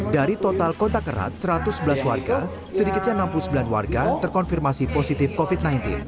dari total kontak erat satu ratus sebelas warga sedikitnya enam puluh sembilan warga terkonfirmasi positif covid sembilan belas